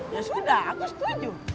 ya sudah aku setuju